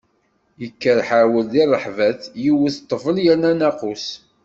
Yekker herwel di ṛṛeḥbat, yewwet ṭṭbel yerna nnaqus.